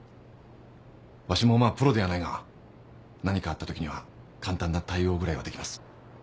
わしもまあプロではないが何かあったときには簡単な対応ぐらいはできます。